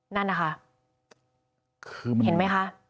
นั่นค่ะเห็นไหมคะ